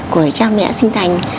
của cha mẹ sinh thành